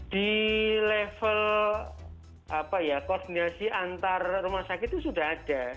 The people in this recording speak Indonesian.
di level koordinasi antar rumah sakit itu sudah ada